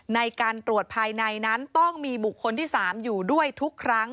ในการตรวจภายในนั้นต้องมีบุคคลที่๓อยู่ด้วยทุกครั้ง